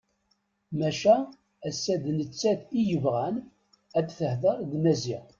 Maca ass-a d nettat i yebɣan ad tehder d Maziɣ.